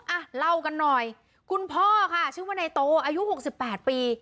อ่ะเล่ากันหน่อยคุณพ่อค่ะชื่อว่าในโตอายุหกสิบแปดปี